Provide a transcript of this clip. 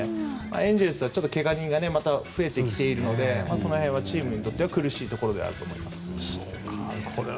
エンゼルスはけが人が増えてきてるのでその辺はチームにとっては苦しいところだと思います。